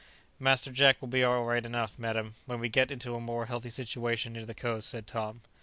"Master Jack will be all right enough, madam, when we get into a more healthy situation near the coast," said Tom.